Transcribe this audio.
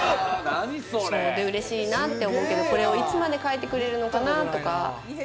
嬉しいなって思うけど、これをいつまで書いてくれるのかなって。